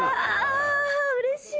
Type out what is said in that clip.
うれしい！